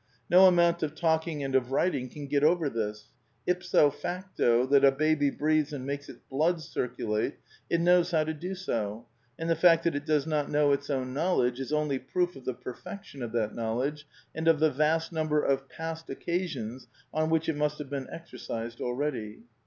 No amount of talking and of writing can get over this ; ipso facto, that a baby breathes and makes its blood circulate, it knows how to do so; and the fact that it does not know its own knowledge is only proof of the rfection of that knowledge, and of the vast number of past occasions on which it must have been exercised already."